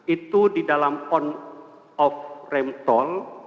itu di dalam on off rem tol